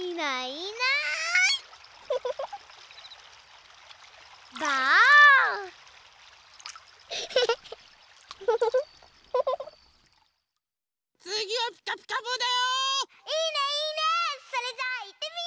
いいねいいね！